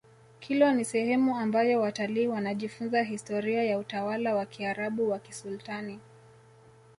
kilwa ni sehemu ambayo watalii wanajifunza historia ya utawala wa kiarabu wa kisultani